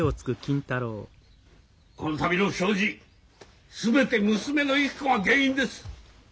この度の不祥事全て娘のゆき子が原因です。